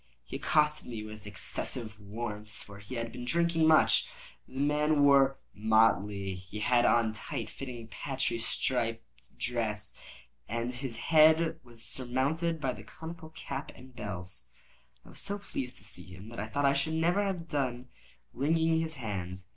He accosted me with excessive warmth, for he had been drinking much. The man wore motley. He had on a tight fitting parti striped dress, and his head was surmounted by the conical cap and bells. I was so pleased to see him, that I thought I should never have done wringing his hand.